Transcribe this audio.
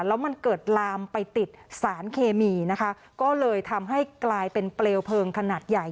แล้วมันเกิดลามไปติดสารเคมีนะคะก็เลยทำให้กลายเป็นเปลวเพลิงขนาดใหญ่